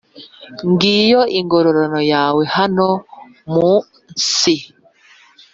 ngiyo ingororano yawe hano mu nsi